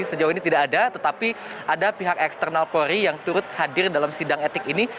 sejauh ini tidak ada tetapi ada pihak eksternal polri yang turut hadir dalam sidang etik ini